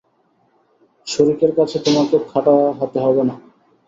শরিকের কাছে তোমাকে খাটো হতে হবে না।